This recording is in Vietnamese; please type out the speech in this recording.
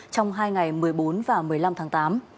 trong hai ngày một mươi bốn và một mươi năm tháng tám